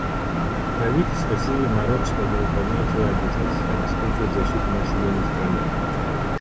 Правительство Сирии нарочито не выполняет свое обязательство обеспечивать защиту населения страны.